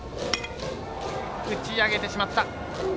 打ち上げてしまった。